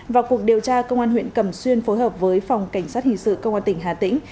vào cuộc điều tra công an huyện cẩm xuyên phối hợp với phòng cảnh sát hình sự công an tỉnh hà tĩnh